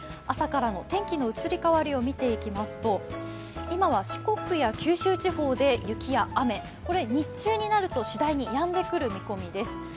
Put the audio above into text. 朝からの天気の移り変わりを見ていきますと今は四国や九州地方で雪や雨、これ、日中になると次第にやんでくる見込みです。